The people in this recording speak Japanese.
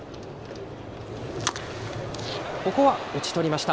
ここは打ち取りました。